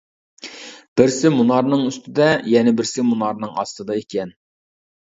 بىرسى مۇنارنىڭ ئۈستىدە، يەنە بىرسى مۇنارنىڭ ئاستىدا ئىكەن.